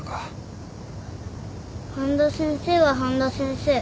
半田先生は半田先生。